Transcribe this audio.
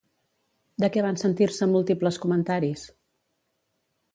De què van sentir-se múltiples comentaris?